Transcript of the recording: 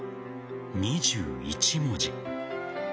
２１文字。